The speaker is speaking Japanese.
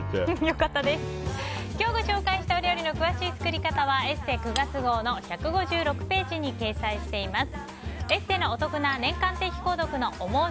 今日、ご紹介した料理の詳しい作り方は「ＥＳＳＥ」９月号の１５６ページに掲載しています。